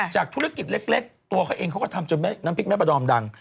จากธุรกิจเล็กตัวเค้าเองเค้าก็ทำจนแม่พริกแม่ประดอมดัง